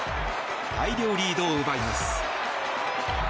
大量リードを奪います。